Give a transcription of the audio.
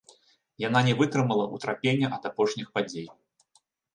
Яна не вытрымала ўтрапення ад апошніх падзей.